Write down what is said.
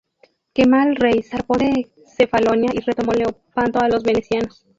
Kemal Reis zarpó de Cefalonia y retomó Lepanto a los venecianos.